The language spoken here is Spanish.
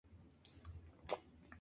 El Licenciado Ramos"".